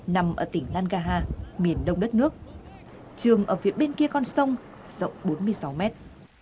nằm ở tỉnh nagaha miền đông đất nước trường ở phía bên kia con sông rộng bốn mươi sáu mét